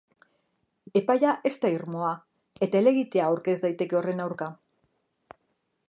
Epaia ez da irmoa eta helegitea aurkez daiteke horren aurka.